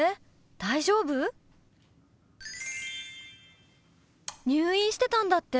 大丈夫？入院してたんだって？